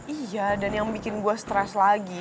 iya dan yang bikin gue stres lagi